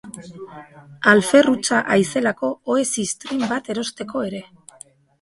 Alfer hutsa haizelako ohe ziztrin bat erosteko ere!